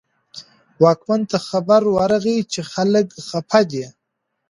واکمن ته خبر ورغی چې خلک خپه دي.